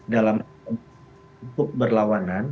dalam kutub berlawanan